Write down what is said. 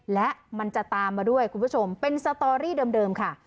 และมันจะตามมาด้วยคุณผู้ชมเป็นสตอรี่เดิมค่ะ